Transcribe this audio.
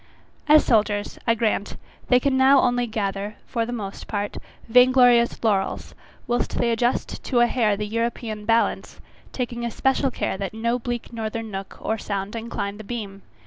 As soldiers, I grant, they can now only gather, for the most part, vainglorious laurels, whilst they adjust to a hair the European balance, taking especial care that no bleak northern nook or sound incline the beam.